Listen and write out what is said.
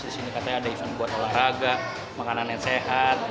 disini katanya ada event buat olahraga makanan yang sehat